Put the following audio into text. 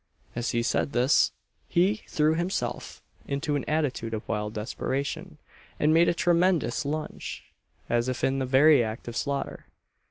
As he said this, he threw himself into an attitude of wild desperation, and made a tremendous lunge, as if in the very act of slaughter.